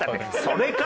それか！